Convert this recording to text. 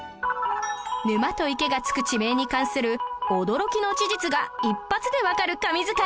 「沼」と「池」が付く地名に関する驚きの事実が一発でわかる神図解